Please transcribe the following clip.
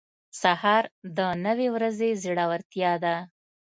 سهار د نوې ورځې زړورتیا ده.